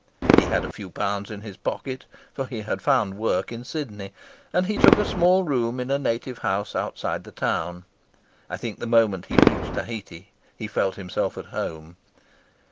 He had a few pounds in his pocket, for he had found work in Sydney, and he took a small room in a native house outside the town. I think the moment he reached Tahiti he felt himself at home.